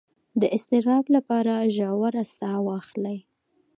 د اضطراب لپاره ژوره ساه واخلئ